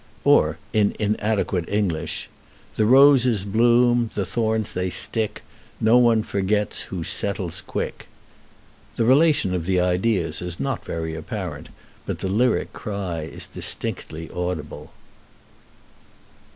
Or, in inadequate English: The roses bloom, The thorns they stick; No one forgets Who settles quick. The relation of the ideas is not very apparent, but the lyric cry is distinctly audible.